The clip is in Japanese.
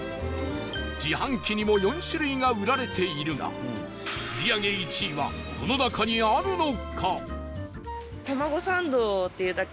自販機にも４種類が売られているが売り上げ１位はこの中にあるのか？